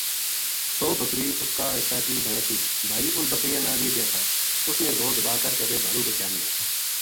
سو بکری اس کا حصا کی بنے تھی بھائی اُنھ بکریاں نا نیہہ دیے تھا اُس نے زور دَبا کر کے ویہ بھارُو بے چا لیا